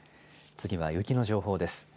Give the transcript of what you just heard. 次は雪の情報です。